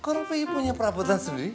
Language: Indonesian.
kalau pih punya perabotan sendiri